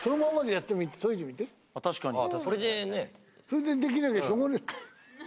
・確かに・それでできなきゃしょうがねえ。